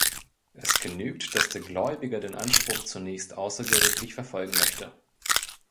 Es genügt, dass der Gläubiger den Anspruch zunächst außergerichtlich verfolgen möchte.